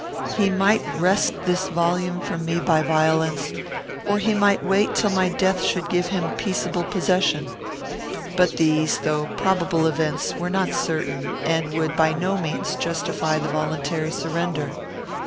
He might wrest this volume from me by violence, or he might wait till my death should give him peaceable possession. But these, though probable events, were not certain, and would, by no means, justify the voluntary surrender.